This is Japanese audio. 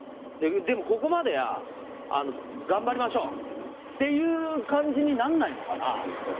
でも、ここまでは頑張りましょうっていう感じになんないのかな？